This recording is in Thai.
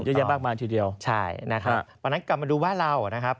เยอะแยะมากมายทีเดียวใช่นะครับตอนนั้นกลับมาดูบ้านเรานะครับ